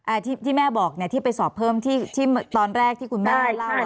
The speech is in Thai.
ที่ที่แม่บอกเนี่ยที่ไปสอบเพิ่มที่ที่ตอนแรกที่คุณแม่เล่า